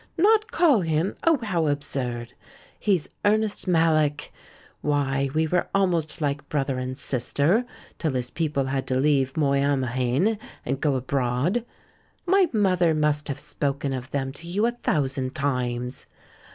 "Not call him—? Oh, how absurd! He's Ernest Mallock. Why, we were almost like brother and sister till his people had to leave JNIoyamehane and go abroad. My mother must have spoken of them to you a thousand times."